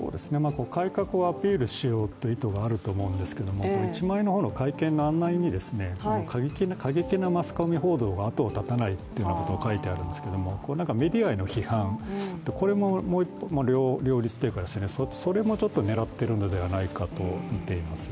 改革をアピールしようという意図があるのかと思うんですけど、１枚目の会見の案内に過激なマスコミ報道があとを絶たないとかいてあるんですけど、メディアへの批判、これも両立というか、それも狙っているのではないかと見ています。